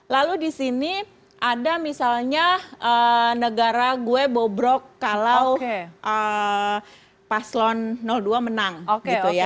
lalu di sini ada misalnya negara gue bobrok kalau paslon dua menang gitu ya